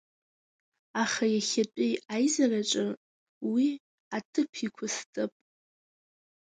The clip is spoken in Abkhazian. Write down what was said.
Аха иахьатәи аизараҿы уи аҭыԥ иқәысҵап.